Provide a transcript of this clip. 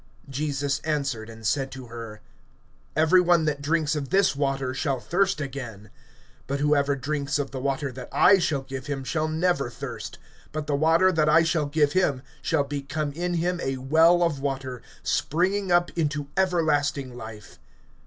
(13)Jesus answered and said to her: Every one that drinks of this water shall thirst again. (14)But whoever drinks of the water that I shall give him shall never thirst; but the water that I shall give him shall become in him a well of water, springing up into everlasting life.